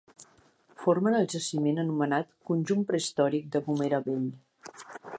Formen el jaciment anomenat Conjunt prehistòric de Gomera Vell.